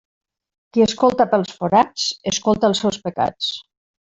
Qui escolta pels forats escolta els seus pecats.